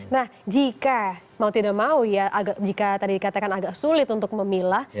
nah jika mau tidak mau ya jika tadi dikatakan agak sulit untuk memilah